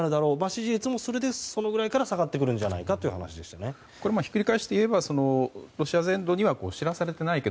支持率もそれぐらいから下がってくるのではないかというひっくり返して言えばロシア全土には知らされていない